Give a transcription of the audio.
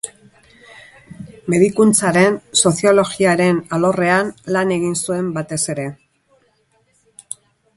Medikuntzaren soziologiaren alorrean lan egin zuen batez ere.